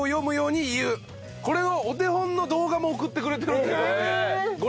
これのお手本の動画も送ってくれてるんで。